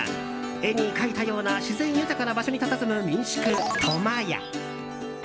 絵に描いたような自然豊かな場所にたたずむ民宿苫屋。